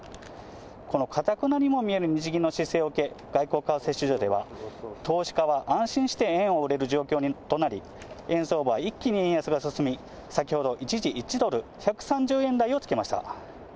このかたくなにも見える日銀の姿勢を受け、外国為替市場では投資家は安心して円を売れる状況となり、円相場は一気に円安が進み、先ほど一時１ドル１３０円台をつけました。